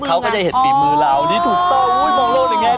เขาก็ได้เห็นฝีมือเหล่านี่ถูกต้อง